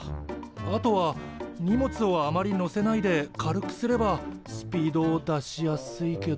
あとは荷物をあまりのせないで軽くすればスピードを出しやすいけど。